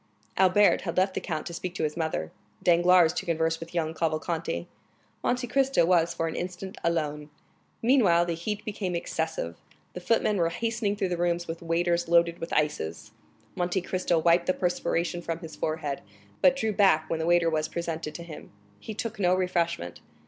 Albert had left the count to speak to his mother, Danglars to converse with young Cavalcanti; Monte Cristo was for an instant alone. Meanwhile the heat became excessive. The footmen were hastening through the rooms with waiters loaded with ices. Monte Cristo wiped the perspiration from his forehead, but drew back when the waiter was presented to him; he took no refreshment.